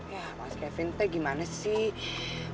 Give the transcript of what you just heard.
ya mas kevin itu gimana sih